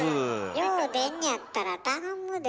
よう出んねやったら頼むで。